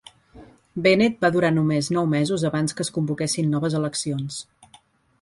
Bennett va durar només nou mesos abans que es convoquessin noves eleccions.